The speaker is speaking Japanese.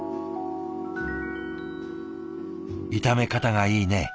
「炒め方がいいね！」